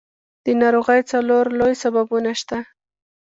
د ناروغیو څلور لوی سببونه شته.